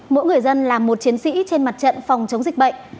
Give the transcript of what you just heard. mỗi người dân là một chiến sĩ trên mặt trận phòng chống dịch bệnh